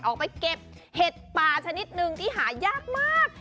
ออกไปเก็บเห็ดป่าชนิดหนึ่งที่หายากมาก